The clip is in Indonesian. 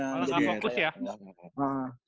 malah gak fokus ya